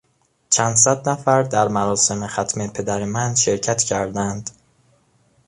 چند صد نفر در مراسم ختم پدر من شرکت کردند.